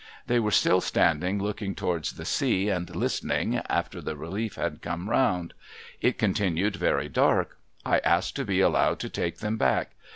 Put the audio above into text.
They were still standing looking towards the sea and listening, after the relief had come round. It continuing very dark, I asked to be allowed to take them back.